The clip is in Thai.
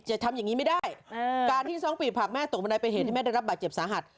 ทำอย่างนี้ไม่ได้การที่สองปีผักแม่ตกบันไดเป็นเหตุให้แม่ได้รับบาดเจ็บสาหัส